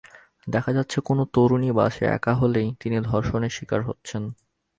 দেখা যাচ্ছে, কোনো তরুণী বাসে একা হলেই তিনি ধর্ষণের শিকার হচ্ছেন।